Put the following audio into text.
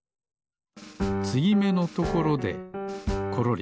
つぎめのところでころり。